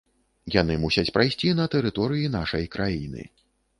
Яны мусяць прайсці на тэрыторыі нашай краіны.